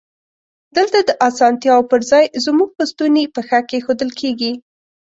دلته د اسانتیاوو پر ځای زمونږ په ستونی پښه کېښودل کیږی.